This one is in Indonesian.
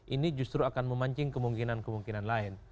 ini justru akan memancing kemungkinan kemungkinan lain